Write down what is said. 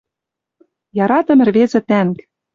Яратым ӹрвезӹ тӓнг!